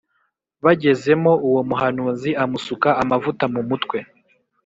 Bagezemo uwo muhanuzi amusuka amavuta mumutwe